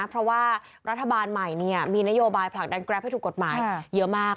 เพราะว่ารัฐบาลใหม่มีนโยบายผลักดันแกรปให้ถูกกฎหมายเยอะมาก